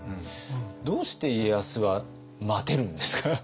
どうして家康は待てるんですか？